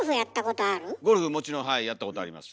もちろんやったことあります。